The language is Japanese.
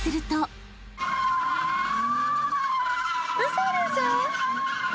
嘘でしょ！？